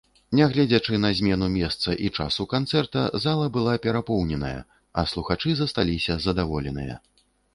Нягледзячы на змену месца і часу канцэрта, зала была перапоўненая, а слухачы засталіся задаволеныя.